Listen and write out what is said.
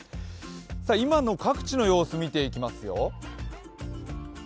今の各地の様子を見ていきますよ。